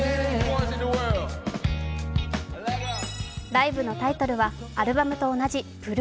ライブのタイトルはアルバムと同じ「Ｐｒｏｏｆ」。